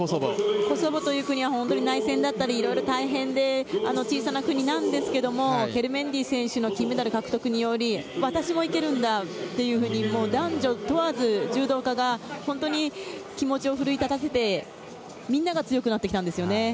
コソボという国は内戦だったり、いろいろ大変で小さな国なんですがケルメンディ選手の金メダル獲得により私もいけるんだと男女問わず、柔道家が本当に気持ちを奮い立たせてみんなが強くなってきたんですね。